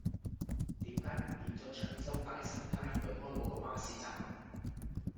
點解唔見左長洲大新街對開嗰個巴士站